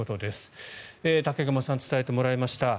武隈さんに伝えてもらいました。